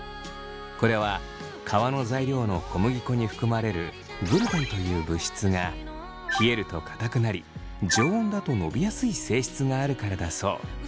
これは皮の材料の小麦粉に含まれるグルテンという物質が冷えるとかたくなり常温だと伸びやすい性質があるからだそう。